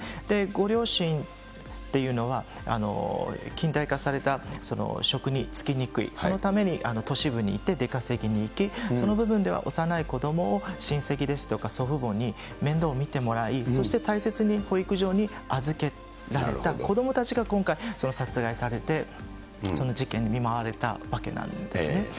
ご両親というのは、近代化された職に就きにくい、そのために都市部に行って出稼ぎに行き、その部分では幼い子どもを親戚ですとか祖父母に面倒を見てもらい、そして大切に保育所に預けられた子どもたちが今回、殺害されて、その事件に見舞われたわけなんですね。